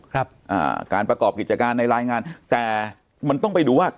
ครับอ่าการประกอบกิจการในรายงาน